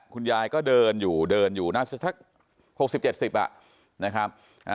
คุณญายก็เดินอยู่ดินอยู่นะเสียง๖๐๗๐อะนะครับ